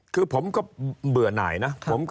คือผมก็เบื่อหน่ายนะ